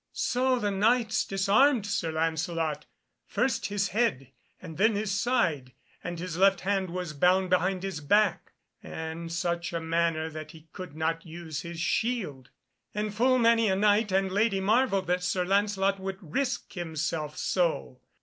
So the Knights disarmed Sir Lancelot, first his head and then his side, and his left hand was bound behind his back, in such a manner that he could not use his shield, and full many a Knight and lady marvelled that Sir Lancelot would risk himself so.